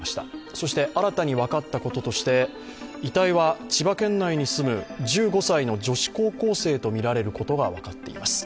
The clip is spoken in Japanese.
そして、新たに分かったこととして遺体は千葉県内に住む１５歳の女子高校生とみられることが分かっています。